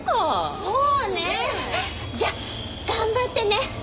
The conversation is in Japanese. じゃ頑張ってね。